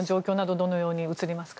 どのように映りますか？